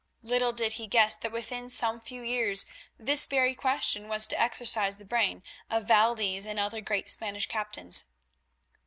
Little did he guess that within some few years this very question was to exercise the brain of Valdez and other great Spanish captains.